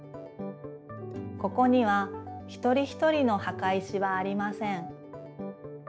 ここには一人一人の墓石はありません。